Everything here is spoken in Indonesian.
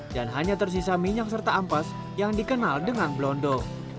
dan hanya tersisa minyak serta ampas yang dikenal dengan blondo